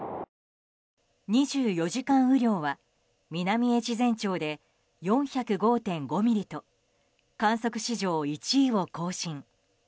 ２４時間雨量は南越前町で４０５．５ミリと観測史上１位を更新。